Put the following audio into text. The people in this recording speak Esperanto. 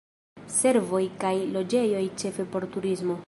Servoj kaj loĝejoj ĉefe por turismo.